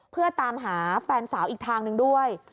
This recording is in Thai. เพื่อตามหาแฟนสาวอีกทางหนึ่งด้วย